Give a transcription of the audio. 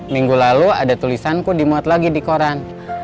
minggu lalu ada tulisanku dimuat lagi di koran